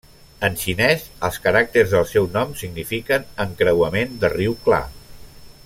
En xinés, els caràcters del seu nom signifiquen 'encreuament de riu clar'.